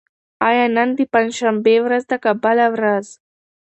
آیا نن د پنجشنبې ورځ ده که بله ورځ؟